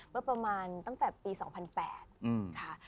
เมื่อประมาณตั้งแต่ปี๒๐๐๘ค่ะ